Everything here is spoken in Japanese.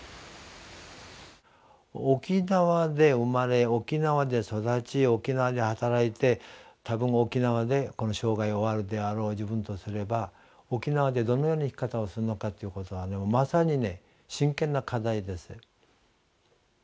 沖縄で生まれ沖縄で育ち沖縄で働いて多分沖縄でこの生涯を終わるであろう自分とすれば沖縄でどのような生き方をするのかっていうことはまさにね真剣な課題ですよ。